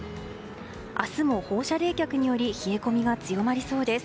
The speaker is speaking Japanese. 明日も放射冷却により冷え込みが強まりそうです。